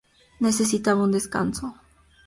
Necesitaba un descanso.